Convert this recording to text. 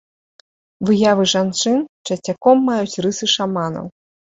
Выявы жанчын часцяком маюць рысы шаманаў.